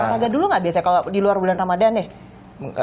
olahraga dulu gak biasanya kalau di luar bulan ramadan ya